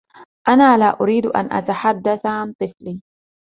أنا لا أريد أن أتحدث عن طفلي.